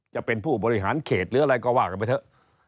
จะเป็นผู้บริหารเขตหรืออะไรก็ว่ากันไปเถอะ